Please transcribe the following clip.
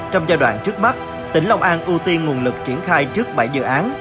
trong giai đoạn trước mắt tỉnh long an ưu tiên nguồn lực triển khai trước bảy dự án